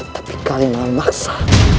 tapi kalian memaksa